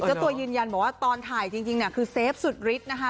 เจ้าตัวยืนยันบอกว่าตอนถ่ายจริงคือเซฟสุดฤทธินะคะ